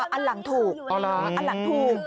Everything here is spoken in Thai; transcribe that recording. อันหลังถูกอันหลังถูก